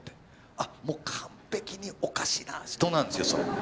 あっもう完璧におかしな人なんですよそれ。